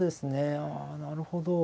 あなるほど。